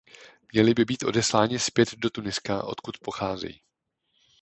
Měli by být odesláni zpět do Tuniska, odkud pocházejí.